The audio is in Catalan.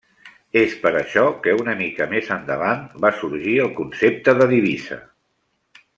És per això que una mica més endavant va sorgir el concepte de divisa.